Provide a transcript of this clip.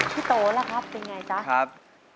พี่โต๊ะล่ะครับเป็นอย่างไรจ๊ะครับ